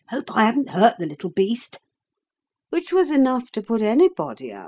Hope I haven't hurt the little beast?' Which was enough to put anybody out."